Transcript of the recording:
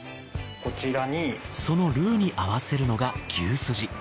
そのルーに合わせるのが牛スジ。